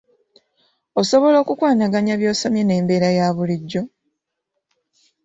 Osobola okukwanaganya by'osomye n'embeera eya bullijjo?